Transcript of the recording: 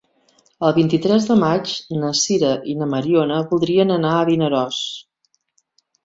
El vint-i-tres de maig na Sira i na Mariona voldrien anar a Vinaròs.